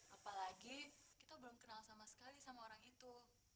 apalagi kita belum kenal sama sekali sama orang itu